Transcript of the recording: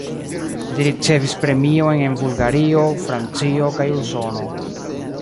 Li ricevis premiojn en Bulgario, Francio kaj Usono.